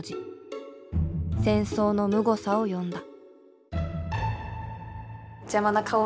戦争のむごさを詠んだ。